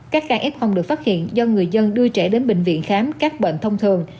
các ca f được phát hiện do người dân đưa trẻ đến bệnh viện khám các bệnh thông thường